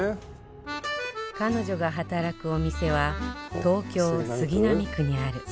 彼女が働くお店は東京杉並区にある